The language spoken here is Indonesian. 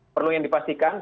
perlu yang dipastikan